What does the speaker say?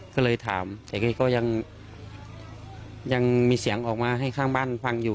ก็เลยถามแต่แกก็ยังมีเสียงออกมาให้ข้างบ้านฟังอยู่